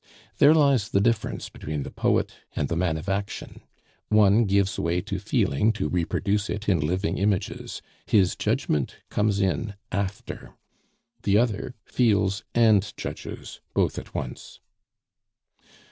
There lies the difference between the poet and the man of action; one gives way to feeling to reproduce it in living images, his judgement comes in after; the other feels and judges both at once.